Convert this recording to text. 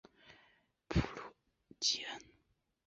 普卢吉恩。